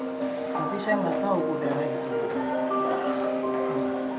tapi saya gak tau udara itu